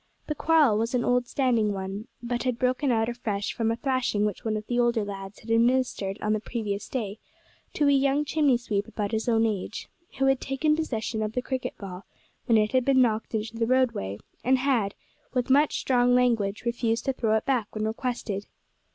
The quarrel was an old standing one, but had broken out afresh from a thrashing which one of the older lads had administered on the previous day to a young chimney sweep about his own age, who had taken possession of the cricket ball when it had been knocked into the roadway, and had, with much strong language, refused to throw it back when requested.